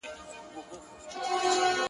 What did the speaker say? که غواړو اخترونه مو د ماشومتوب غوندي رنګین سي